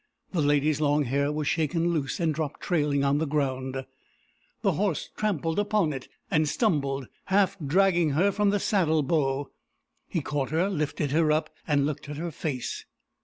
The lady's long hair was shaken loose, and dropped trailing on the ground. The horse trampled upon it, and stumbled, half dragging her from the saddle bow. He caught her, lifted her up, and looked at her face.